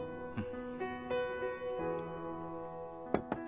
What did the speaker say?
うん。